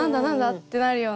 ってなるような。